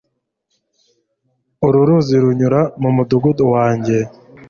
Uru ruzi runyura mu mudugudu wanjye